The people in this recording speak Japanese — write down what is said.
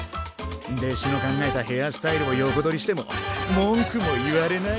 でしの考えたヘアスタイルを横取りしても文句も言われない。